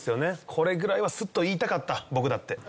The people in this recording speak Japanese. これぐらいはスッと言いたかった僕だって。